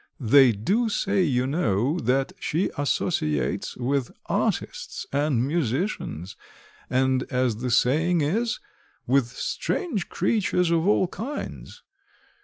They do say, you know that she associates with artists and musicians, and as the saying is, with strange creatures of all kinds.